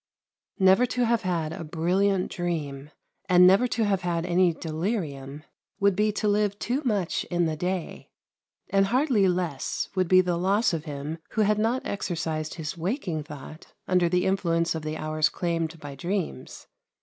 Never to have had a brilliant dream, and never to have had any delirium, would be to live too much in the day; and hardly less would be the loss of him who had not exercised his waking thought under the influence of the hours claimed by dreams.